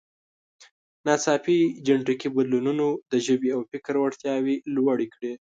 ناڅاپي جینټیکي بدلونونو د ژبې او فکر وړتیاوې لوړې کړې.